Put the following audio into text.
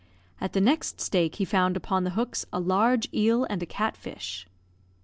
At the next stake he found upon the hooks a large eel and a cat fish.